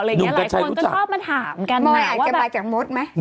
หลายคนก็ชอบมาถามกันทำไมอาจจะมาจากมดไหม